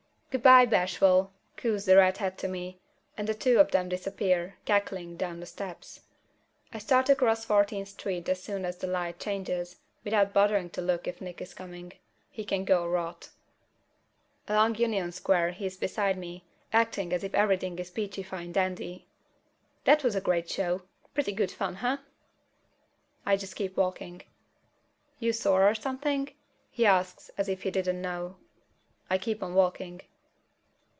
"Goo'bye, Bashful!" coos the redhead to me, and the two of them disappear, cackling, down the steps. I start across Fourteenth Street as soon as the light changes, without bothering to look if Nick is coming. He can go rot. Along Union Square he's beside me, acting as if everything is peachy fine dandy. "That was a great show. Pretty good fun, huh?" I just keep walking. "You sore or something?" he asks, as if he didn't know. I keep on walking.